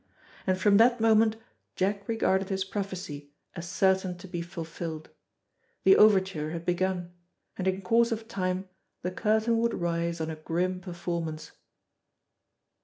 And from that moment Jack regarded his prophecy as certain to be fulfilled. The overture had begun, and in course of time the curtain would rise on a grim performance.